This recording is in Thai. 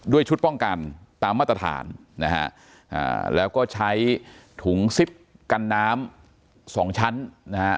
ชุดป้องกันตามมาตรฐานนะฮะแล้วก็ใช้ถุงซิปกันน้ำสองชั้นนะฮะ